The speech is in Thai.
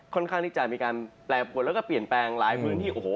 ค่อนข้างที่จะมีการแปรปวดแล้วก็เปลี่ยนแปลงหลายพื้นที่โอ้โห